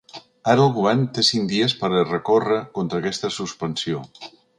Ara el govern té cinc dies per a recórrer contra aquesta suspensió.